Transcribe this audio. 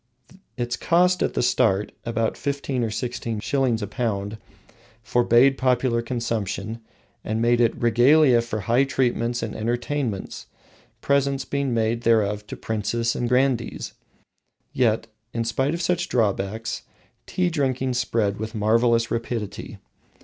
Its cost at the start (about fifteen or sixteen shillings a pound) forbade popular consumption, and made it "regalia for high treatments and entertainments, presents being made thereof to princes and grandees." Yet in spite of such drawbacks tea drinking spread with marvelous rapidity.